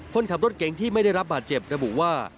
คนขับรถเก๋งที่ไม่ได้รับบาดเจ็บระบุว่า